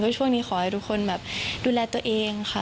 ช่วงนี้ขอให้ทุกคนแบบดูแลตัวเองค่ะ